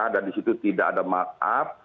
dan di situ tidak ada markup